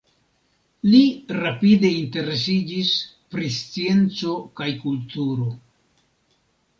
Li rapide interesiĝis pri scienco kaj kulturo.